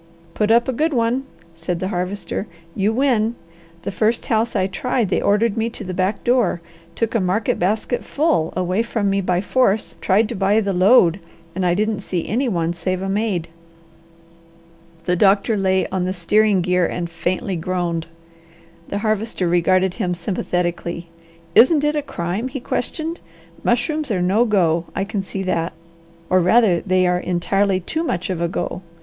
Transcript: "Put up a good one!" said the Harvester. "You win. The first house I tried they ordered me to the back door, took a market basket full away from me by force, tried to buy the load, and I didn't see any one save a maid." The doctor lay on the steering gear and faintly groaned. The Harvester regarded him sympathetically. "Isn't it a crime?" he questioned. "Mushrooms are no go. I can see that! or rather they are entirely too much of a go.